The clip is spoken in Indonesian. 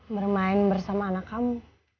bermain bersama anak kamu